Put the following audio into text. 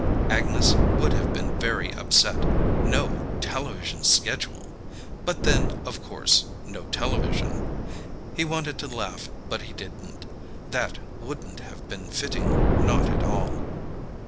Agnes would have been very upset, no television schedule. But then, of course, no television. He wanted to laugh but he didn't. That wouldn't have been fitting, not at all.